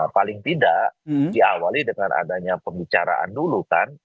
paling tidak diawali dengan adanya pembicaraan dulu kan